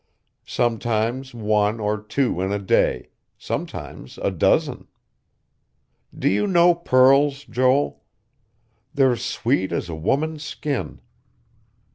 Sometimes one or two in a day; sometimes a dozen. Do you know pearls, Joel? They're sweet as a woman's skin.